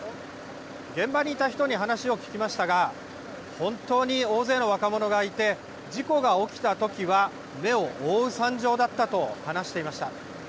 現場にいた人に話を聞きましたが、本当に大勢の若者がいて、事故が起きたときは目を覆う惨状だったと話していました。